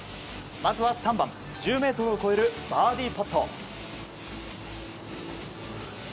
まずは３番、１０ｍを超えるバーディーパット。